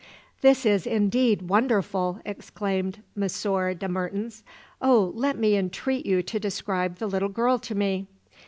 "This is indeed wonderful!" exclaimed Monsieur de Mertens. "Oh, let me entreat you to describe the little girl to me!"